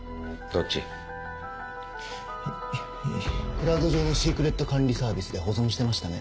クラウド上のシークレット管理サービスで保存してましたね？